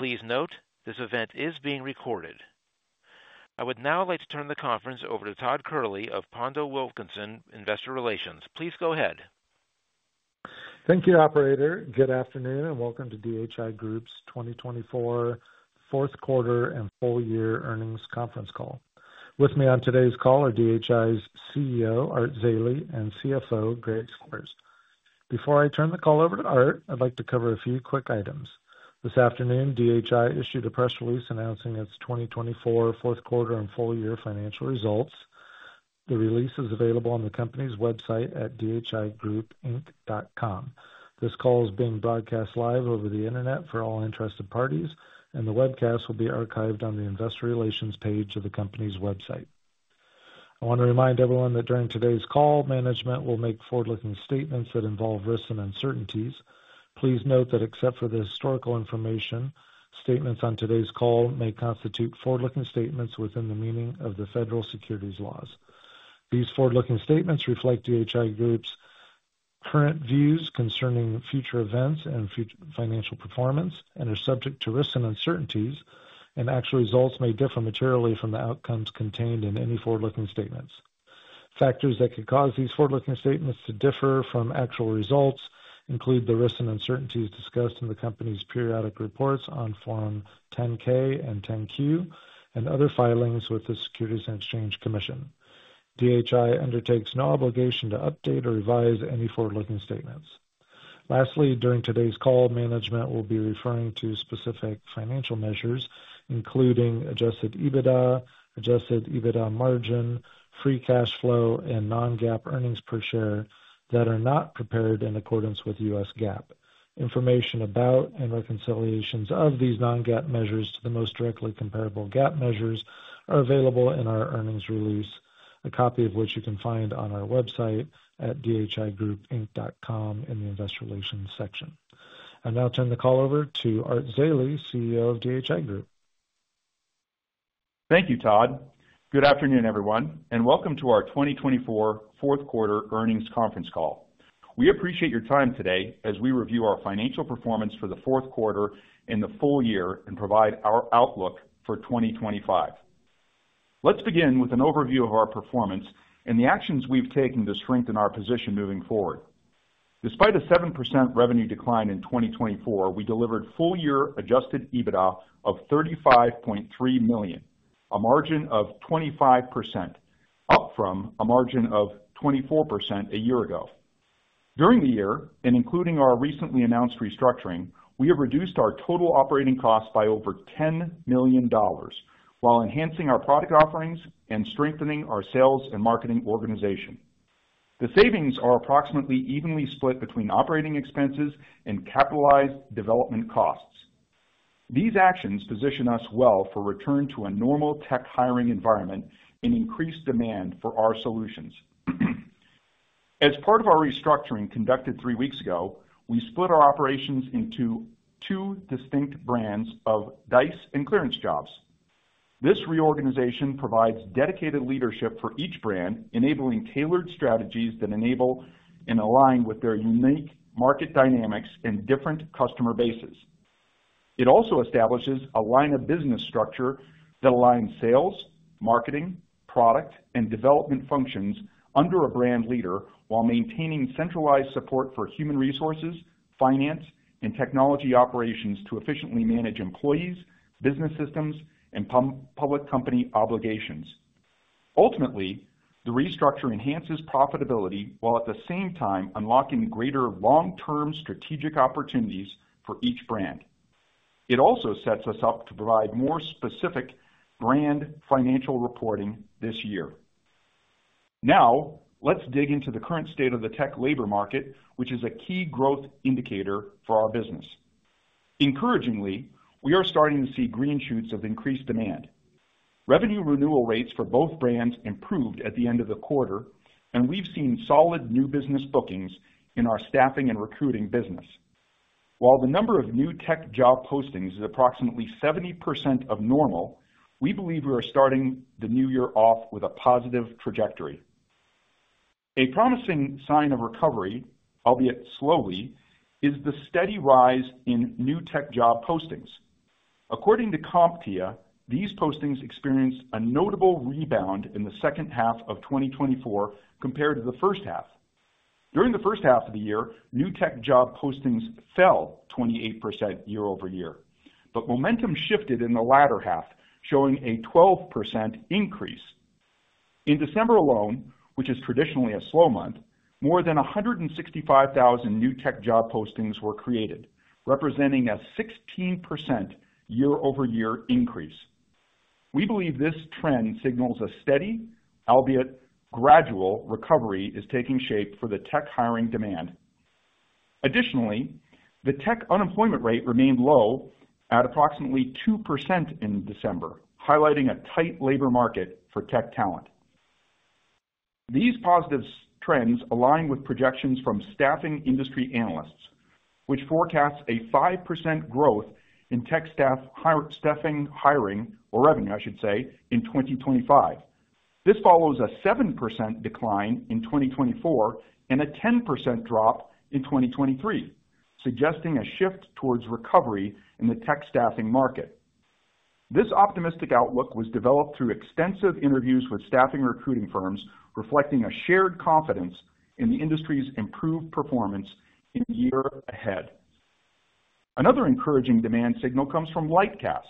Please note, this event is being recorded. I would now like to turn the conference over to Todd Kehrli of PondelWilkinson Investor Relations. Please go ahead. Thank you, Operator. Good afternoon and welcome to DHI Group's 2024 fourth quarter and full year earnings conference call. With me on today's call are DHI's CEO, Art Zeile, and CFO, Greg Schippers. Before I turn the call over to Art, I'd like to cover a few quick items. This afternoon, DHI issued a press release announcing its 2024 fourth quarter and full year financial results. The release is available on the company's website at dhigroupinc.com. This call is being broadcast live over the internet for all interested parties, and the webcast will be archived on the investor relations page of the company's website. I want to remind everyone that during today's call, management will make forward-looking statements that involve risks and uncertainties. Please note that except for the historical information, statements on today's call may constitute forward-looking statements within the meaning of the federal securities laws. These forward-looking statements reflect DHI Group's current views concerning future events and financial performance and are subject to risks and uncertainties, and actual results may differ materially from the outcomes contained in any forward-looking statements. Factors that could cause these forward-looking statements to differ from actual results include the risks and uncertainties discussed in the company's periodic reports on Form 10-K and 10-Q and other filings with the Securities and Exchange Commission. DHI undertakes no obligation to update or revise any forward-looking statements. Lastly, during today's call, management will be referring to specific financial measures, including adjusted EBITDA, adjusted EBITDA margin, free cash flow, and non-GAAP earnings per share that are not prepared in accordance with U.S. GAAP. Information about and reconciliations of these non-GAAP measures to the most directly comparable GAAP measures are available in our earnings release, a copy of which you can find on our website at dhigroupinc.com in the investor relations section. I now turn the call over to Art Zeile, CEO of DHI Group. Thank you, Todd. Good afternoon, everyone, and welcome to our 2024 fourth quarter earnings conference call. We appreciate your time today as we review our financial performance for the fourth quarter and the full year and provide our outlook for 2025. Let's begin with an overview of our performance and the actions we've taken to strengthen our position moving forward. Despite a 7% revenue decline in 2024, we delivered full year adjusted EBITDA of $35.3 million, a margin of 25%, up from a margin of 24% a year ago. During the year, and including our recently announced restructuring, we have reduced our total operating costs by over $10 million while enhancing our product offerings and strengthening our sales and marketing organization. The savings are approximately evenly split between operating expenses and capitalized development costs. These actions position us well for return to a normal tech hiring environment and increased demand for our solutions. As part of our restructuring conducted three weeks ago, we split our operations into two distinct brands of Dice and ClearanceJobs. This reorganization provides dedicated leadership for each brand, enabling tailored strategies that enable and align with their unique market dynamics and different customer bases. It also establishes a line of business structure that aligns sales, marketing, product, and development functions under a brand leader while maintaining centralized support for human resources, finance, and technology operations to efficiently manage employees, business systems, and public company obligations. Ultimately, the restructure enhances profitability while at the same time unlocking greater long-term strategic opportunities for each brand. It also sets us up to provide more specific brand financial reporting this year. Now, let's dig into the current state of the tech labor market, which is a key growth indicator for our business. Encouragingly, we are starting to see green shoots of increased demand. Revenue renewal rates for both brands improved at the end of the quarter, and we've seen solid new business bookings in our staffing and recruiting business. While the number of new tech job postings is approximately 70% of normal, we believe we are starting the new year off with a positive trajectory. A promising sign of recovery, albeit slowly, is the steady rise in new tech job postings. According to CompTIA, these postings experienced a notable rebound in the second half of 2024 compared to the first half. During the first half of the year, new tech job postings fell 28% year over year, but momentum shifted in the latter half, showing a 12% increase. In December alone, which is traditionally a slow month, more than 165,000 new tech job postings were created, representing a 16% year over year increase. We believe this trend signals a steady, albeit gradual, recovery is taking shape for the tech hiring demand. Additionally, the tech unemployment rate remained low at approximately 2% in December, highlighting a tight labor market for tech talent. These positive trends align with projections from Staffing Industry Analysts, which forecasts a 5% growth in tech staff hiring, or revenue, I should say, in 2025. This follows a 7% decline in 2024 and a 10% drop in 2023, suggesting a shift towards recovery in the tech staffing market. This optimistic outlook was developed through extensive interviews with staffing and recruiting firms, reflecting a shared confidence in the industry's improved performance in the year ahead. Another encouraging demand signal comes from Lightcast,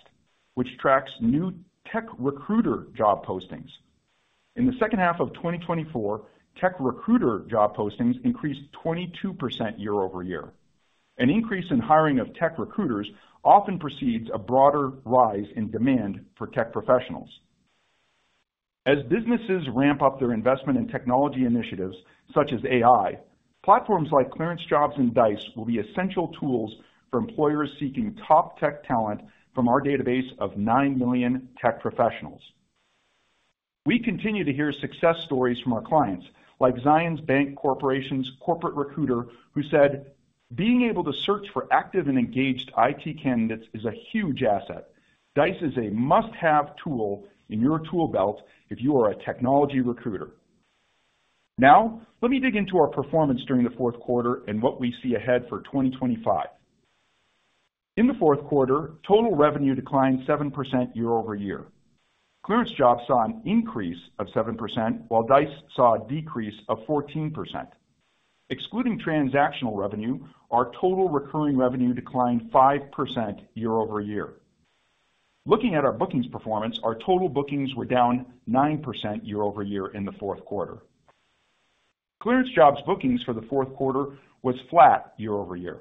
which tracks new tech recruiter job postings. In the second half of 2024, tech recruiter job postings increased 22% year over year. An increase in hiring of tech recruiters often precedes a broader rise in demand for tech professionals. As businesses ramp up their investment in technology initiatives such as AI, platforms like ClearanceJobs and Dice will be essential tools for employers seeking top tech talent from our database of 9 million tech professionals. We continue to hear success stories from our clients, like Zions Bank Corporation's corporate recruiter, who said, "Being able to search for active and engaged IT candidates is a huge asset. Dice is a must-have tool in your tool belt if you are a technology recruiter." Now, let me dig into our performance during the fourth quarter and what we see ahead for 2025. In the fourth quarter, total revenue declined 7% year over year. ClearanceJobs saw an increase of 7%, while Dice saw a decrease of 14%. Excluding transactional revenue, our total recurring revenue declined 5% year over year. Looking at our bookings performance, our total bookings were down 9% year over year in the fourth quarter. ClearanceJobs bookings for the fourth quarter was flat year over year.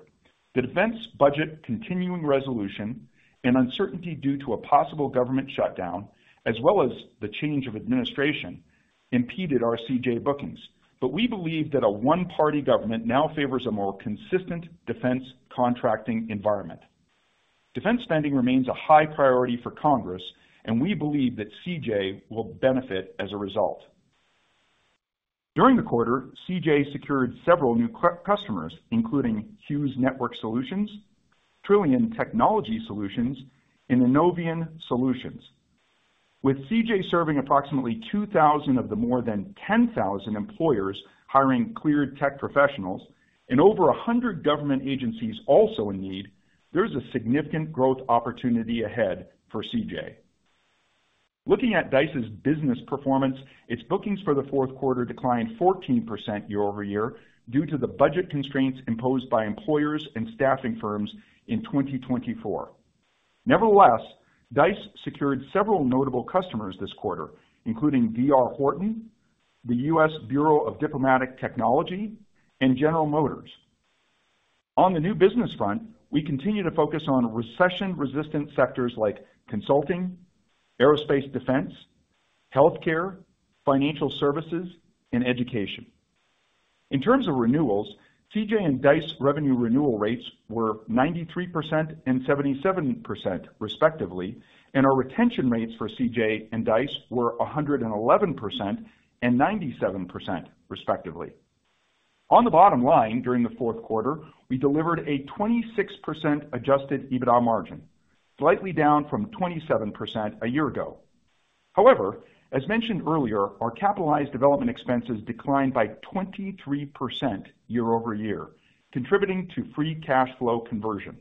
The defense budget continuing resolution and uncertainty due to a possible government shutdown, as well as the change of administration, impeded our CJ bookings, but we believe that a one-party government now favors a more consistent defense contracting environment. Defense spending remains a high priority for Congress, and we believe that CJ will benefit as a result. During the quarter, CJ secured several new customers, including Hughes Network Solutions, Trillian Technology Solutions, and Inovian Solutions. With CJ serving approximately 2,000 of the more than 10,000 employers hiring cleared tech professionals and over 100 government agencies also in need, there is a significant growth opportunity ahead for CJ. Looking at Dice's business performance, its bookings for the fourth quarter declined 14% year over year due to the budget constraints imposed by employers and staffing firms in 2024. Nevertheless, Dice secured several notable customers this quarter, including D.R. Horton, the U.S. Bureau of Diplomatic Technology, and General Motors. On the new business front, we continue to focus on recession-resistant sectors like consulting, aerospace defense, healthcare, financial services, and education. In terms of renewals, CJ and Dice revenue renewal rates were 93% and 77%, respectively, and our retention rates for CJ and Dice were 111% and 97%, respectively. On the bottom line, during the fourth quarter, we delivered a 26% adjusted EBITDA margin, slightly down from 27% a year ago. However, as mentioned earlier, our capitalized development expenses declined by 23% year over year, contributing to free cash flow conversion.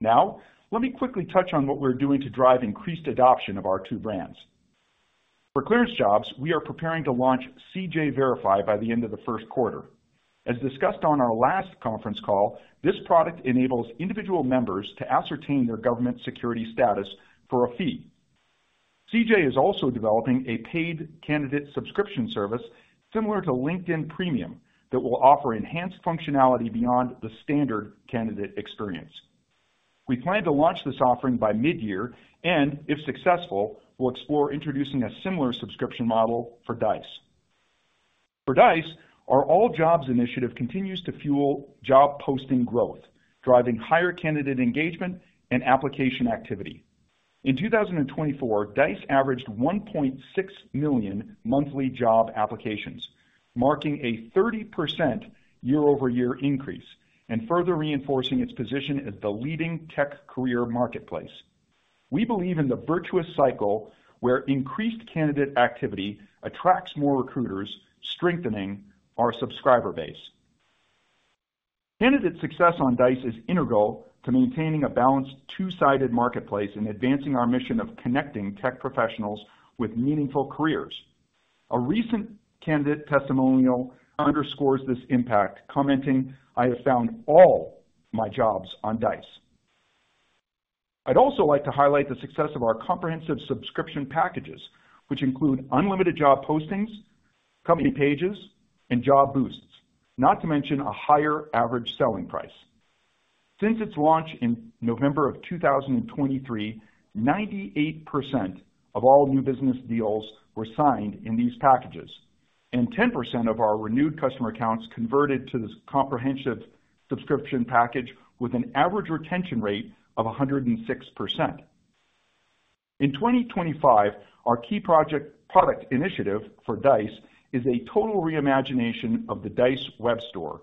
Now, let me quickly touch on what we're doing to drive increased adoption of our two brands. For ClearanceJobs, we are preparing to launch CJ Verify by the end of the first quarter. As discussed on our last conference call, this product enables individual members to ascertain their government security status for a fee. CJ is also developing a paid candidate subscription service similar to LinkedIn Premium that will offer enhanced functionality beyond the standard candidate experience. We plan to launch this offering by mid-year and, if successful, we'll explore introducing a similar subscription model for Dice. For Dice, our All Jobs initiative continues to fuel job posting growth, driving higher candidate engagement and application activity. In 2024, Dice averaged 1.6 million monthly job applications, marking a 30% year-over-year increase and further reinforcing its position as the leading tech career marketplace. We believe in the virtuous cycle where increased candidate activity attracts more recruiters, strengthening our subscriber base. Candidate success on Dice is integral to maintaining a balanced two-sided marketplace and advancing our mission of connecting tech professionals with meaningful careers. A recent candidate testimonial underscores this impact, commenting, "I have found all my jobs on Dice." I'd also like to highlight the success of our comprehensive subscription packages, which include unlimited job postings, company pages, and job boosts, not to mention a higher average selling price. Since its launch in November of 2023, 98% of all new business deals were signed in these packages, and 10% of our renewed customer accounts converted to this comprehensive subscription package with an average retention rate of 106%. In 2025, our key project product initiative for Dice is a total reimagination of the Dice web store,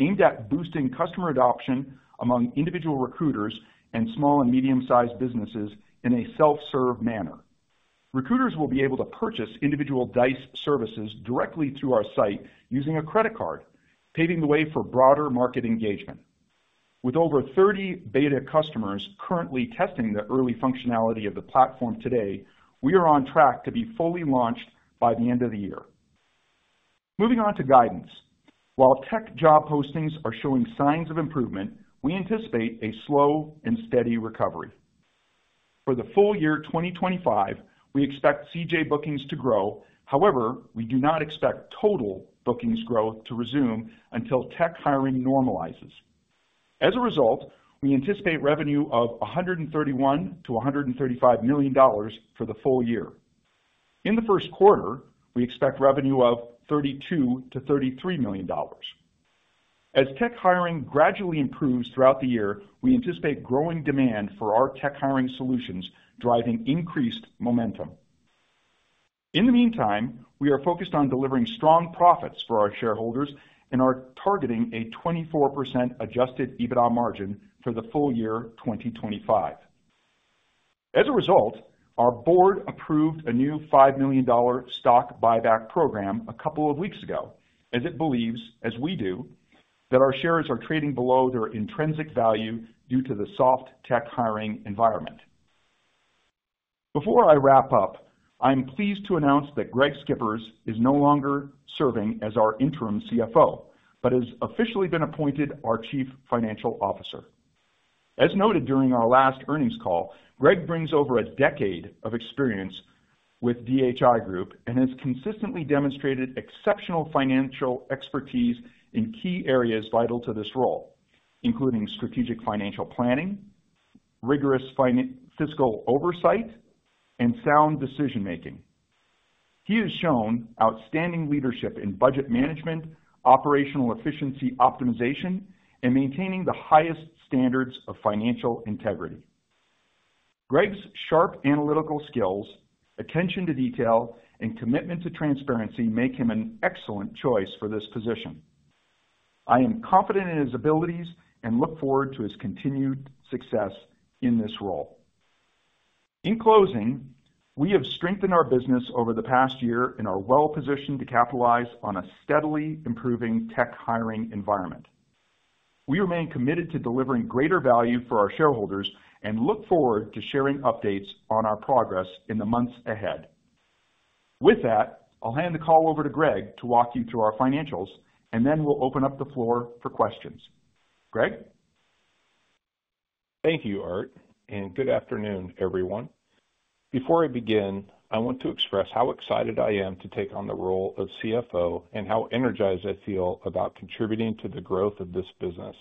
aimed at boosting customer adoption among individual recruiters and small and medium-sized businesses in a self-serve manner. Recruiters will be able to purchase individual Dice services directly through our site using a credit card, paving the way for broader market engagement. With over 30 Beta customers currently testing the early functionality of the platform today, we are on track to be fully launched by the end of the year. Moving on to guidance. While tech job postings are showing signs of improvement, we anticipate a slow and steady recovery. For the full year 2025, we expect CJ bookings to grow. However, we do not expect total bookings growth to resume until tech hiring normalizes. As a result, we anticipate revenue of $131-$135 million for the full year. In the first quarter, we expect revenue of $32-$33 million. As tech hiring gradually improves throughout the year, we anticipate growing demand for our tech hiring solutions, driving increased momentum. In the meantime, we are focused on delivering strong profits for our shareholders and are targeting a 24% adjusted EBITDA margin for the full year 2025. As a result, our board approved a new $5 million stock buyback program a couple of weeks ago, as it believes, as we do, that our shares are trading below their intrinsic value due to the soft tech hiring environment. Before I wrap up, I'm pleased to announce that Greg Schippers is no longer serving as our interim CFO, but has officially been appointed our Chief Financial Officer. As noted during our last earnings call, Greg brings over a decade of experience with DHI Group and has consistently demonstrated exceptional financial expertise in key areas vital to this role, including strategic financial planning, rigorous fiscal oversight, and sound decision-making. He has shown outstanding leadership in budget management, operational efficiency optimization, and maintaining the highest standards of financial integrity. Greg's sharp analytical skills, attention to detail, and commitment to transparency make him an excellent choice for this position. I am confident in his abilities and look forward to his continued success in this role. In closing, we have strengthened our business over the past year and are well-positioned to capitalize on a steadily improving tech hiring environment. We remain committed to delivering greater value for our shareholders and look forward to sharing updates on our progress in the months ahead. With that, I'll hand the call over to Greg to walk you through our financials, and then we'll open up the floor for questions. Greg? Thank you, Art, and good afternoon, everyone. Before I begin, I want to express how excited I am to take on the role of CFO and how energized I feel about contributing to the growth of this business.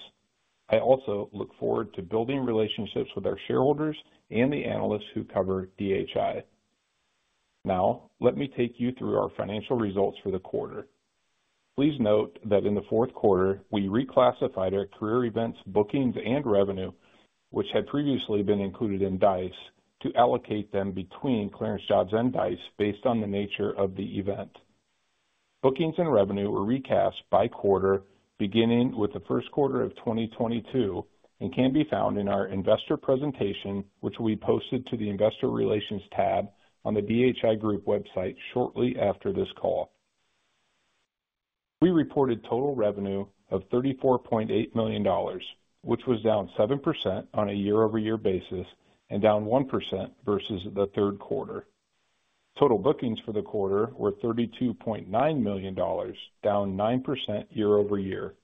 I also look forward to building relationships with our shareholders and the analysts who cover DHI. Now, let me take you through our financial results for the quarter. Please note that in the fourth quarter, we reclassified our career events, bookings, and revenue, which had previously been included in Dice, to allocate them between ClearanceJobs and Dice based on the nature of the event. Bookings and revenue were recast by quarter, beginning with the first quarter of 2022, and can be found in our investor presentation, which we posted to the investor relations tab on the DHI Group website shortly after this call. We reported total revenue of $34.8 million, which was down 7% on a year-over-year basis and down 1% versus the third quarter. Total bookings for the quarter were $32.9 million, down 9% year-over-year.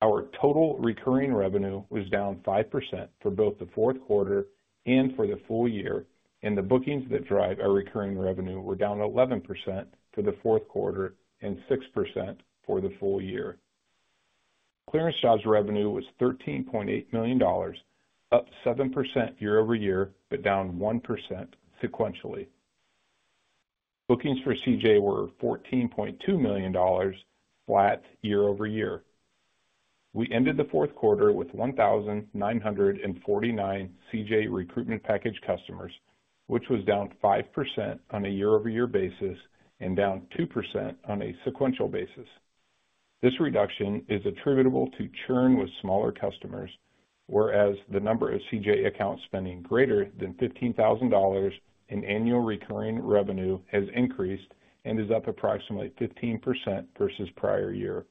Our total recurring revenue was down 5% for both the fourth quarter and for the full year, and the bookings that drive our recurring revenue were down 11% for the fourth quarter and 6% for the full year. ClearanceJobs revenue was $13.8 million, up 7% year-over-year, but down 1% sequentially. Bookings for CJ were $14.2 million, flat year-over-year. We ended the fourth quarter with 1,949 CJ recruitment package customers, which was down 5% on a year-over-year basis and down 2% on a sequential basis. This reduction is attributable to churn with smaller customers, whereas the number of CJ accounts spending greater than $15,000 in annual recurring revenue has increased and is up approximately 15% versus prior year.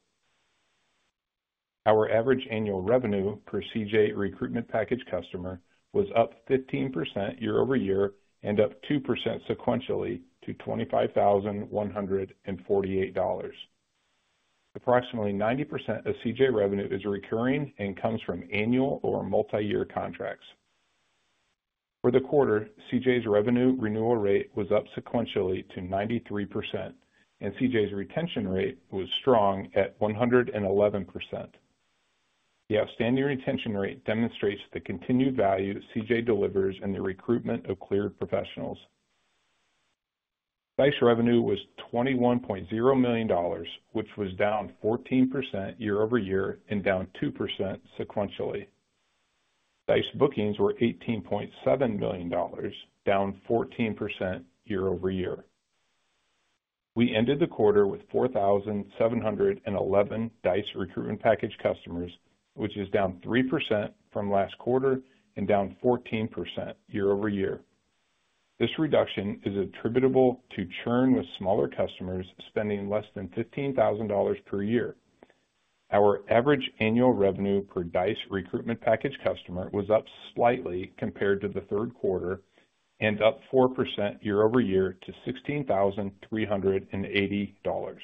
Our average annual revenue per CJ recruitment package customer was up 15% year-over-year and up 2% sequentially to $25,148. Approximately 90% of CJ revenue is recurring and comes from annual or multi-year contracts. For the quarter, CJ's revenue renewal rate was up sequentially to 93%, and CJ's retention rate was strong at 111%. The outstanding retention rate demonstrates the continued value CJ delivers in the recruitment of cleared professionals. DICE revenue was $21.0 million, which was down 14% year-over-year and down 2% sequentially. DICE bookings were $18.7 million, down 14% year-over-year. We ended the quarter with 4,711 DICE recruitment package customers, which is down 3% from last quarter and down 14% year-over-year. This reduction is attributable to churn with smaller customers spending less than $15,000 per year. Our average annual revenue per DICE recruitment package customer was up slightly compared to the third quarter and up 4% year-over-year to $16,380.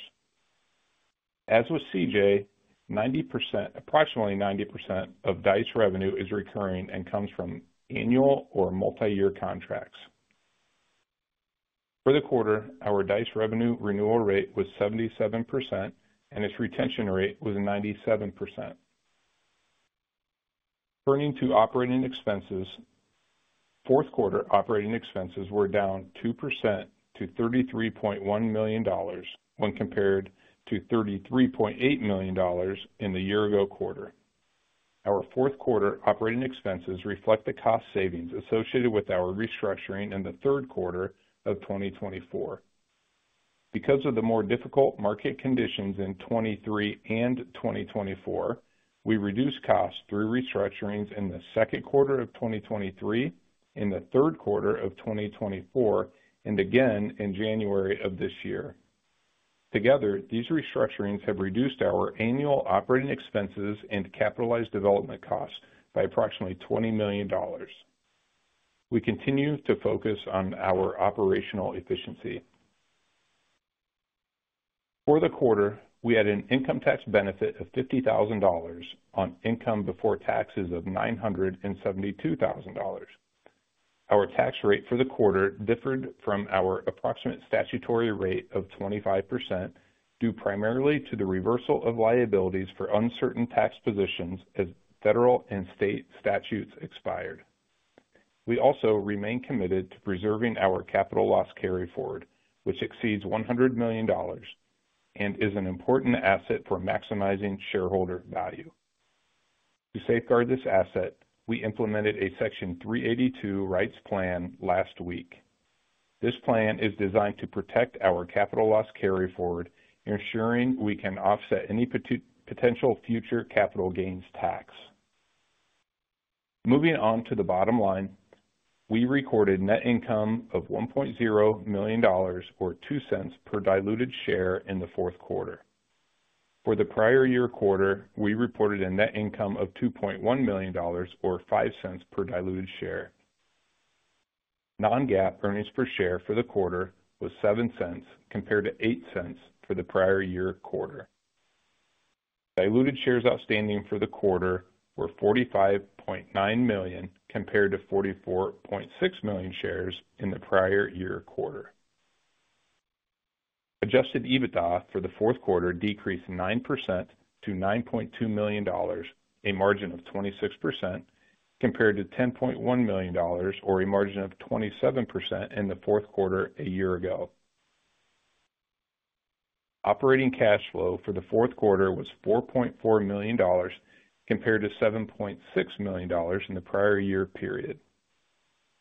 As with CJ, approximately 90% of DICE revenue is recurring and comes from annual or multi-year contracts. For the quarter, our DICE revenue renewal rate was 77%, and its retention rate was 97%. Turning to operating expenses, fourth quarter operating expenses were down 2% to $33.1 million when compared to $33.8 million in the year-ago quarter. Our fourth quarter operating expenses reflect the cost savings associated with our restructuring in the third quarter of 2024. Because of the more difficult market conditions in 2023 and 2024, we reduced costs through restructurings in the second quarter of 2023, in the third quarter of 2024, and again in January of this year. Together, these restructurings have reduced our annual operating expenses and capitalized development costs by approximately $20 million. We continue to focus on our operational efficiency. For the quarter, we had an income tax benefit of $50,000 on income before taxes of $972,000. Our tax rate for the quarter differed from our approximate statutory rate of 25% due primarily to the reversal of liabilities for uncertain tax positions as federal and state statutes expired. We also remain committed to preserving our capital loss carry forward, which exceeds $100 million and is an important asset for maximizing shareholder value. To safeguard this asset, we implemented a Section 382 rights plan last week. This plan is designed to protect our capital loss carry forward, ensuring we can offset any potential future capital gains tax. Moving on to the bottom line, we recorded net income of $1.0 million or $0.2 per diluted share in the fourth quarter. For the prior year quarter, we reported a net income of $2.1 million or $0.5 per diluted share. Non-GAAP earnings per share for the quarter was $0.7 compared to $0.8 for the prior year quarter. Diluted shares outstanding for the quarter were 45.9 million compared to 44.6 million shares in the prior year quarter. Adjusted EBITDA for the fourth quarter decreased 9% to $9.2 million, a margin of 26%, compared to $10.1 million or a margin of 27% in the fourth quarter a year ago. Operating cash flow for the fourth quarter was $4.4 million compared to $7.6 million in the prior year period.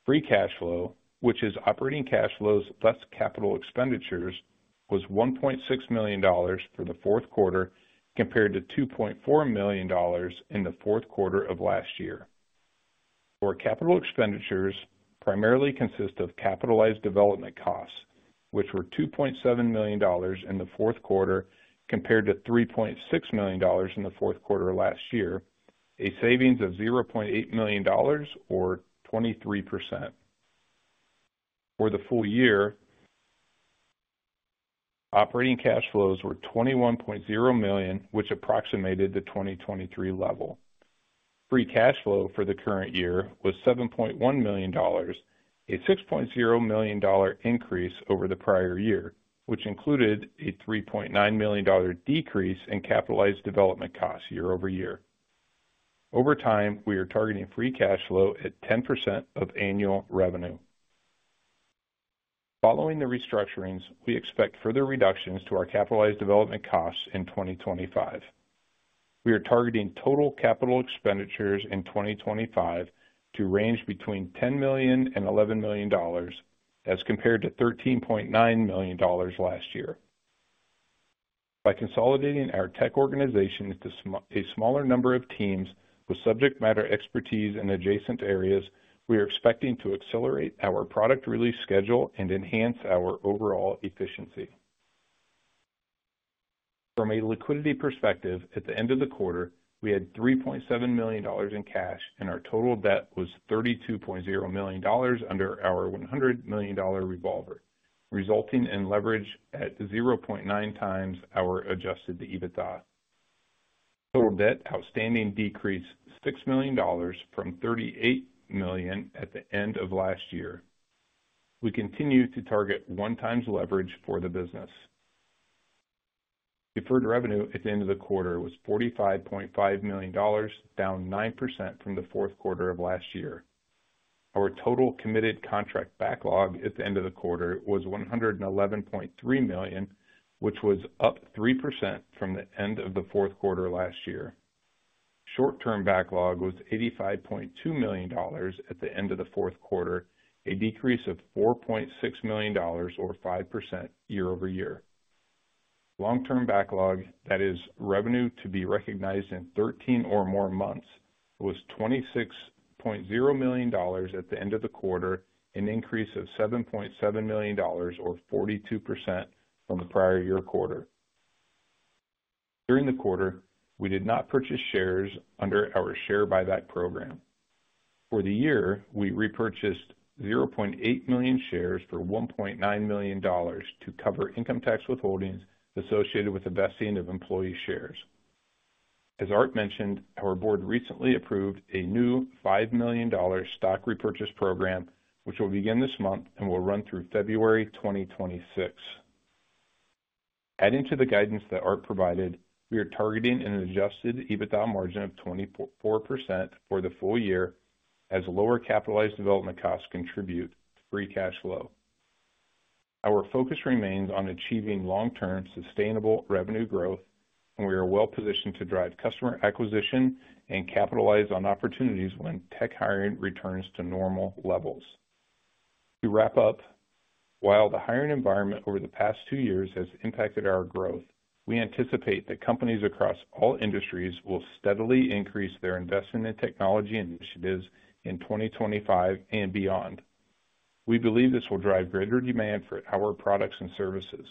Free cash flow, which is operating cash flows less capital expenditures, was $1.6 million for the fourth quarter compared to $2.4 million in the fourth quarter of last year. Our capital expenditures primarily consist of capitalized development costs, which were $2.7 million in the fourth quarter compared to $3.6 million in the fourth quarter last year, a savings of $0.8 million or 23%. For the full year, operating cash flows were $21.0 million, which approximated the 2023 level. Free cash flow for the current year was $7.1 million, a $6.0 million increase over the prior year, which included a $3.9 million decrease in capitalized development costs year-over-year. Over time, we are targeting free cash flow at 10% of annual revenue. Following the restructurings, we expect further reductions to our capitalized development costs in 2025. We are targeting total capital expenditures in 2025 to range between $10 million and $11 million as compared to $13.9 million last year. By consolidating our tech organization into a smaller number of teams with subject matter expertise in adjacent areas, we are expecting to accelerate our product release schedule and enhance our overall efficiency. From a liquidity perspective, at the end of the quarter, we had $3.7 million in cash, and our total debt was $32.0 million under our $100 million revolver, resulting in leverage at 0.9 times our adjusted EBITDA. Total debt outstanding decreased $6 million from $38 million at the end of last year. We continue to target one-time leverage for the business. Deferred revenue at the end of the quarter was $45.5 million, down 9% from the fourth quarter of last year. Our total committed contract backlog at the end of the quarter was $111.3 million, which was up 3% from the end of the fourth quarter last year. Short-term backlog was $85.2 million at the end of the fourth quarter, a decrease of $4.6 million or 5% year-over-year. Long-term backlog, that is revenue to be recognized in 13 or more months, was $26.0 million at the end of the quarter, an increase of $7.7 million or 42% from the prior year quarter. During the quarter, we did not purchase shares under our share buyback program. For the year, we repurchased $0.8 million shares for $1.9 million to cover income tax withholdings associated with the vesting of employee shares. As Art mentioned, our board recently approved a new $5 million stock repurchase program, which will begin this month and will run through February 2026. Adding to the guidance that Art provided, we are targeting an adjusted EBITDA margin of 24% for the full year as lower capitalized development costs contribute to free cash flow. Our focus remains on achieving long-term sustainable revenue growth, and we are well-positioned to drive customer acquisition and capitalize on opportunities when tech hiring returns to normal levels. To wrap up, while the hiring environment over the past two years has impacted our growth, we anticipate that companies across all industries will steadily increase their investment in technology initiatives in 2025 and beyond. We believe this will drive greater demand for our products and services.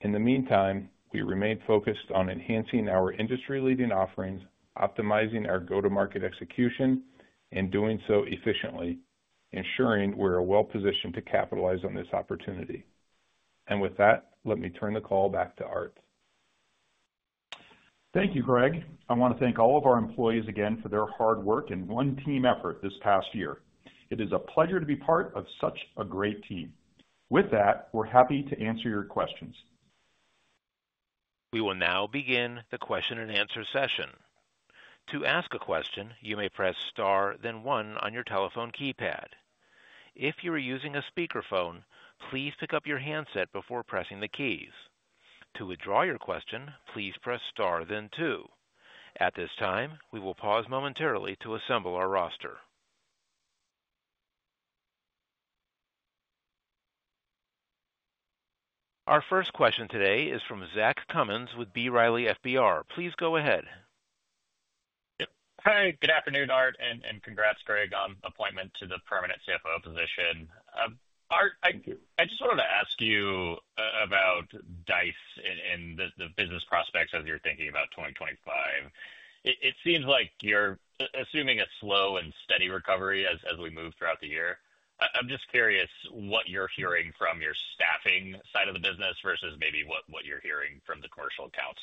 In the meantime, we remain focused on enhancing our industry-leading offerings, optimizing our go-to-market execution, and doing so efficiently, ensuring we're well-positioned to capitalize on this opportunity. With that, let me turn the call back to Art. Thank you, Greg. I want to thank all of our employees again for their hard work and one-team effort this past year. It is a pleasure to be part of such a great team. With that, we're happy to answer your questions. We will now begin the question-and-answer session. To ask a question, you may press Star, then one on your telephone keypad. If you are using a speakerphone, please pick up your handset before pressing the keys. To withdraw your question, please press Star, then two. At this time, we will pause momentarily to assemble our roster. Our first question today is from Zach Cummins with B. Riley FBR. Please go ahead. Hi, good afternoon, Art, and congrats, Greg, on appointment to the permanent CFO position. Art, I just wanted to ask you about Dice and the business prospects as you're thinking about 2025. It seems like you're assuming a slow and steady recovery as we move throughout the year. I'm just curious what you're hearing from your staffing side of the business versus maybe what you're hearing from the commercial accounts.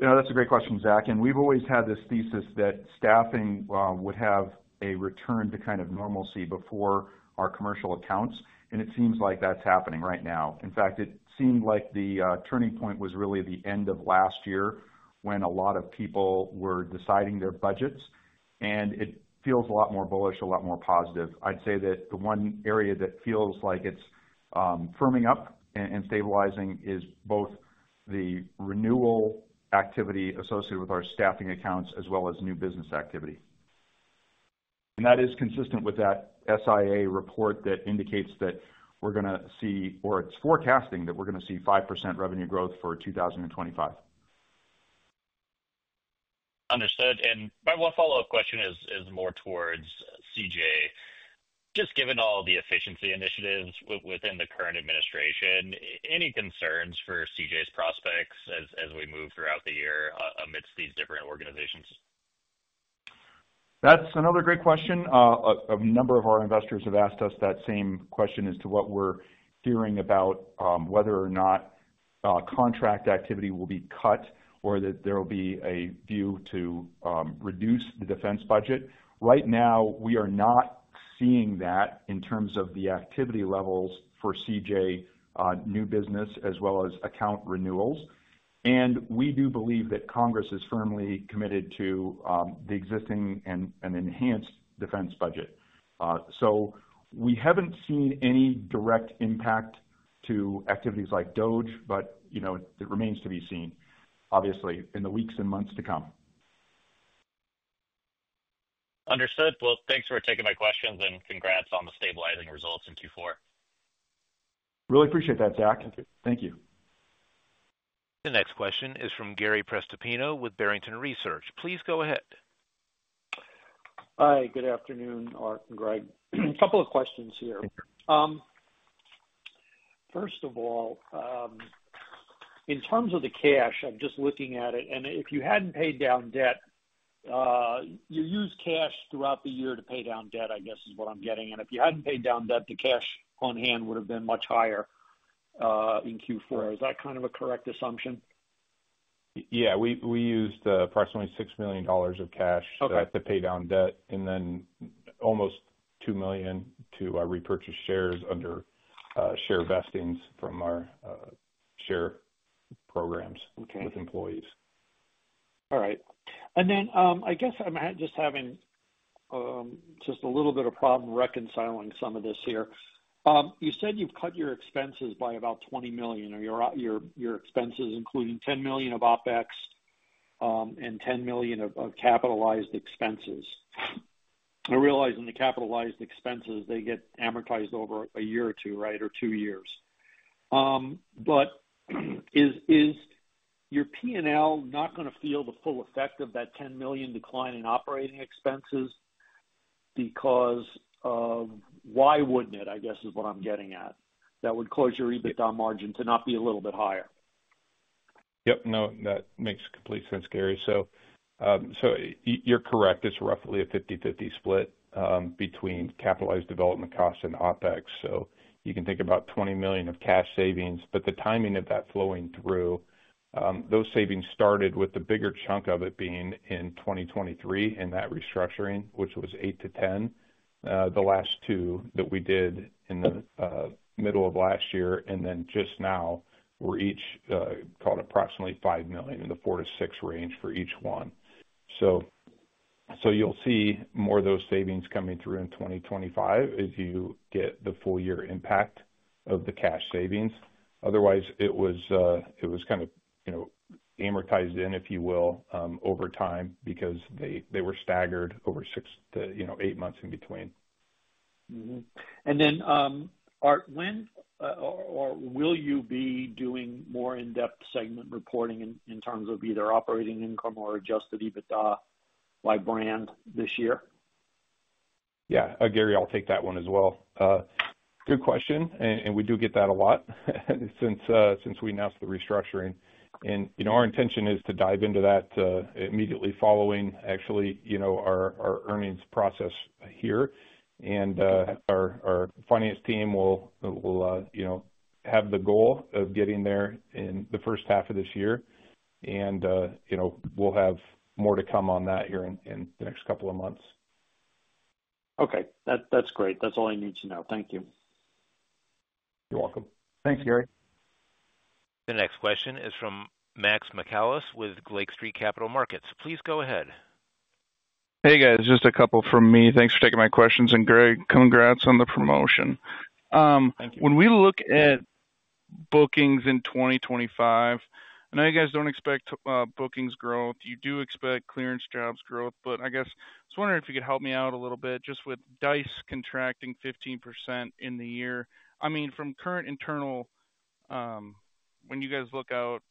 That's a great question, Zach. We've always had this thesis that staffing would have a return to kind of normalcy before our commercial accounts. It seems like that's happening right now. In fact, it seemed like the turning point was really the end of last year when a lot of people were deciding their budgets. It feels a lot more bullish, a lot more positive. I'd say that the one area that feels like it's firming up and stabilizing is both the renewal activity associated with our staffing accounts as well as new business activity. That is consistent with that SIA report that indicates that we're going to see, or it's forecasting that we're going to see 5% revenue growth for 2025. Understood. My one follow-up question is more towards CJ. Just given all the efficiency initiatives within the current administration, any concerns for CJ's prospects as we move throughout the year amidst these different organizations? That's another great question. A number of our investors have asked us that same question as to what we're hearing about whether or not contract activity will be cut or that there will be a view to reduce the defense budget. Right now, we are not seeing that in terms of the activity levels for CJ, new business, as well as account renewals. We do believe that Congress is firmly committed to the existing and enhanced defense budget. We have not seen any direct impact to activities like CJ, but it remains to be seen, obviously, in the weeks and months to come. Understood. Thanks for taking my questions and congrats on the stabilizing results in Q4. Really appreciate that, Zack. Thank you. The next question is from Gary Prestipino with Barrington Research. Please go ahead. Hi, good afternoon, Art and Greg. A couple of questions here. First of all, in terms of the cash, I'm just looking at it. If you had not paid down debt, you used cash throughout the year to pay down debt, I guess is what I'm getting. If you hadn't paid down debt, the cash on hand would have been much higher in Q4. Is that kind of a correct assumption? Yeah. We used approximately $6 million of cash to pay down debt and then almost $2 million to repurchase shares under share vestings from our share programs with employees. All right. I guess I'm just having just a little bit of problem reconciling some of this here. You said you've cut your expenses by about $20 million, or your expenses, including $10 million of OpEx and $10 million of capitalized expenses. I realize in the capitalized expenses, they get amortized over a year or two, right, or two years. But is your P&L not going to feel the full effect of that $10 million decline in operating expenses because of why wouldn't it, I guess is what I'm getting at? That would close your EBITDA margin to not be a little bit higher. Yep. No, that makes complete sense, Gary. So you're correct. It's roughly a 50/50 split between capitalized development costs and OpEx. So you can think about $20 million of cash savings. The timing of that flowing through, those savings started with the bigger chunk of it being in 2023 and that restructuring, which was eight to 10. The last two that we did in the middle of last year and then just now were each called approximately $5 million in the four to six range for each one. You will see more of those savings coming through in 2025 as you get the full year impact of the cash savings. Otherwise, it was kind of amortized in, if you will, over time because they were staggered over eight months in between. Art, when or will you be doing more in-depth segment reporting in terms of either operating income or adjusted EBITDA by brand this year? Yeah. Gary, I'll take that one as well. Good question. We do get that a lot since we announced the restructuring. Our intention is to dive into that immediately following, actually, our earnings process here. Our finance team will have the goal of getting there in the first half of this year. We'll have more to come on that here in the next couple of months. Okay. That's great. That's all I need to know. Thank you. You're welcome. Thanks, Gary. The next question is from Max Michaelis with Lake Street Capital Markets. Please go ahead. Hey, guys. Just a couple from me. Thanks for taking my questions. Gary, congrats on the promotion. When we look at bookings in 2025, I know you guys don't expect bookings growth. You do expect ClearanceJobs growth. I guess I was wondering if you could help me out a little bit just with Dice contracting 15% in the year. I mean, from current internal, when you guys look out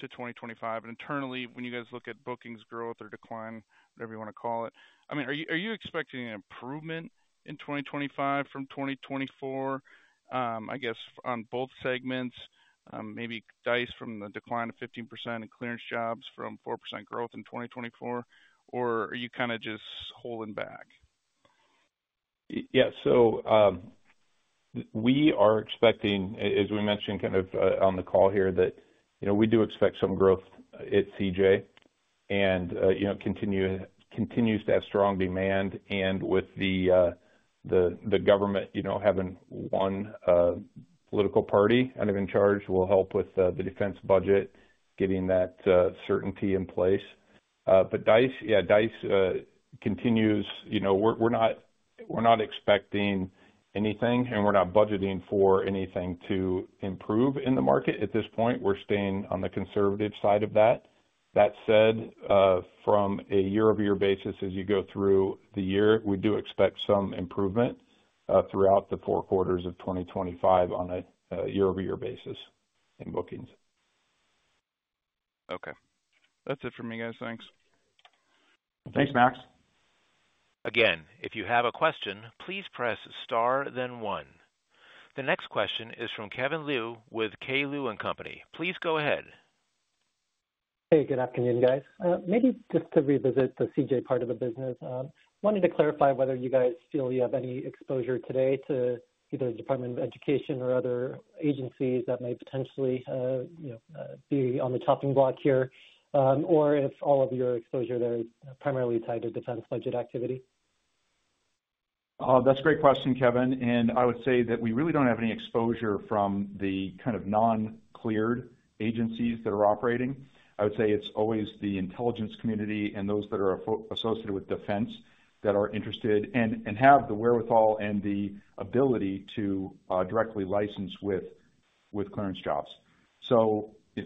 to 2025, and internally, when you guys look at bookings growth or decline, whatever you want to call it, I mean, are you expecting an improvement in 2025 from 2024, I guess, on both segments, maybe Dice from the decline of 15% and ClearanceJobs from 4% growth in 2024? Are you kind of just holding back? Yeah. We are expecting, as we mentioned kind of on the call here, that we do expect some growth at CJ and continues to have strong demand. With the government having one political party kind of in charge, it will help with the defense budget, getting that certainty in place. Dice, yeah, Dice continues. We're not expecting anything, and we're not budgeting for anything to improve in the market at this point. We're staying on the conservative side of that. That said, from a year-over-year basis, as you go through the year, we do expect some improvement throughout the four quarters of 2025 on a year-over-year basis in bookings. Okay. That's it for me, guys. Thanks. Thanks, Max. Again, if you have a question, please press Star, then one. The next question is from Kevin Liu with K Liu & Company. Please go ahead. Hey, good afternoon, guys. Maybe just to revisit the CJ part of the business, I wanted to clarify whether you guys feel you have any exposure today to either the Department of Education or other agencies that may potentially be on the chopping block here, or if all of your exposure there is primarily tied to defense budget activity. That's a great question, Kevin. I would say that we really don't have any exposure from the kind of non-cleared agencies that are operating. I would say it's always the intelligence community and those that are associated with defense that are interested and have the wherewithal and the ability to directly license with ClearanceJobs.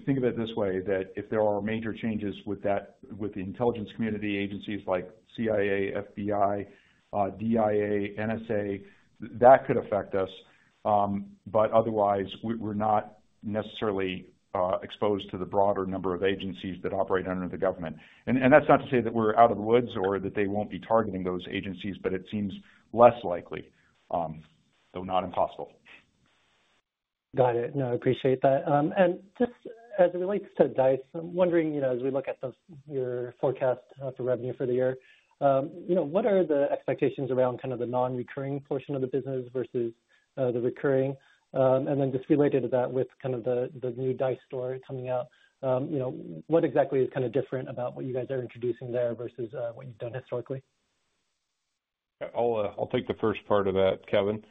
Think of it this way, that if there are major changes with the intelligence community, agencies like CIA, FBI, DIA, NSA, that could affect us. Otherwise, we're not necessarily exposed to the broader number of agencies that operate under the government. That's not to say that we're out of the woods or that they won't be targeting those agencies, but it seems less likely, though not impossible. Got it. No, I appreciate that. Just as it relates to Dice, I'm wondering, as we look at your forecast for revenue for the year, what are the expectations around kind of the non-recurring portion of the business versus the recurring? Just related to that, with kind of the new Dice store coming out, what exactly is kind of different about what you guys are introducing there versus what you've done historically? I'll take the first part of that, Kevin.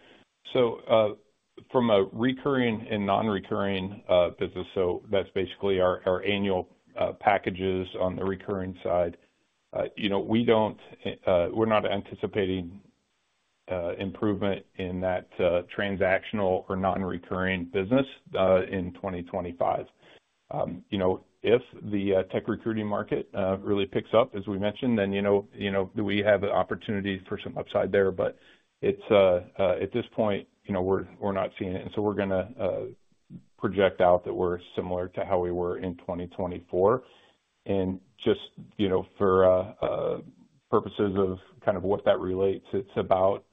From a recurring and non-recurring business, so that's basically our annual packages on the recurring side, we're not anticipating improvement in that transactional or non-recurring business in 2025. If the tech recruiting market really picks up, as we mentioned, then we have opportunities for some upside there. At this point, we're not seeing it. We're going to project out that we're similar to how we were in 2024. Just for purposes of kind of what that relates, it's about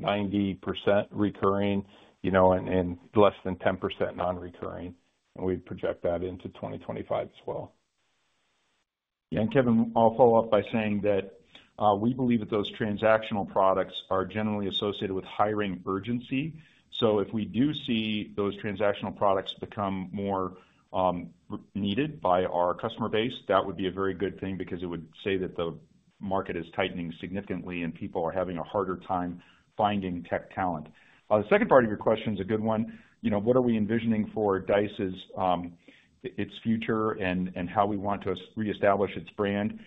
90% recurring and less than 10% non-recurring. We project that into 2025 as well. Kevin, I'll follow up by saying that we believe that those transactional products are generally associated with hiring urgency. If we do see those transactional products become more needed by our customer base, that would be a very good thing because it would say that the market is tightening significantly and people are having a harder time finding tech talent. The second part of your question is a good one. What are we envisioning for Dice's future and how we want to reestablish its brand?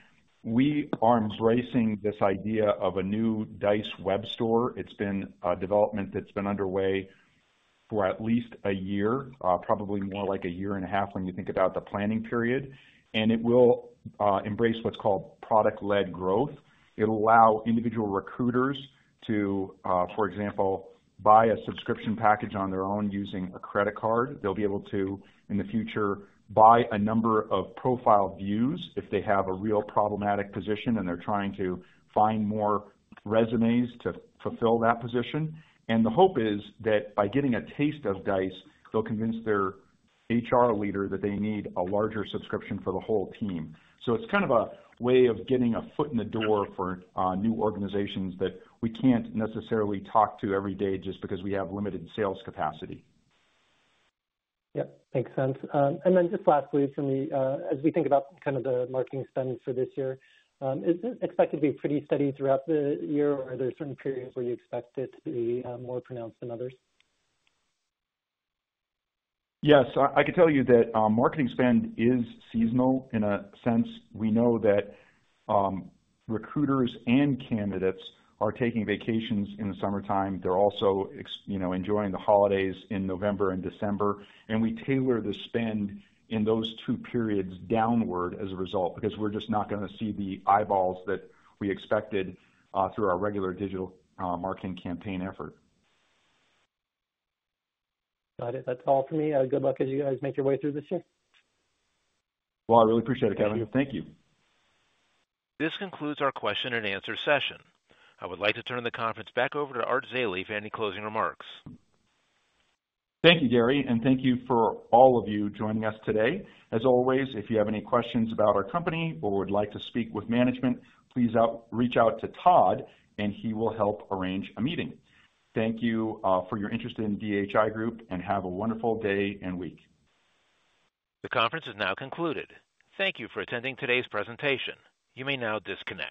We are embracing this idea of a new Dice web store. It's been a development that's been underway for at least a year, probably more like a year and a half when you think about the planning period. It will embrace what's called product-led growth. It'll allow individual recruiters to, for example, buy a subscription package on their own using a credit card. They'll be able to, in the future, buy a number of profile views if they have a real problematic position and they're trying to find more resumes to fulfill that position. The hope is that by getting a taste of Dice, they'll convince their HR leader that they need a larger subscription for the whole team. It is kind of a way of getting a foot in the door for new organizations that we can't necessarily talk to every day just because we have limited sales capacity. Yep. Makes sense. Lastly, for me, as we think about kind of the marketing spend for this year, is it expected to be pretty steady throughout the year, or are there certain periods where you expect it to be more pronounced than others? Yes. I can tell you that marketing spend is seasonal in a sense. We know that recruiters and candidates are taking vacations in the summertime. They're also enjoying the holidays in November and December. We tailor the spend in those two periods downward as a result because we're just not going to see the eyeballs that we expected through our regular digital marketing campaign effort. Got it. That's all for me. Good luck as you guys make your way through this year. I really appreciate it, Kevin. Thank you. This concludes our question-and-answer session. I would like to turn the conference back over to Art Zeile for any closing remarks. Thank you, Gary. Thank you for all of you joining us today. As always, if you have any questions about our company or would like to speak with management, please reach out to Todd, and he will help arrange a meeting. Thank you for your interest in DHI Group, and have a wonderful day and week. The conference is now concluded. Thank you for attending today's presentation. You may now disconnect.